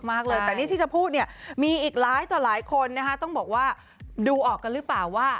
มากเลยแต่นี่ที่จะพูดเนี่ยมีอีกหลายต่อหลายคนนะคะต้องบอกว่าดูออกกันหรือเปล่าว่า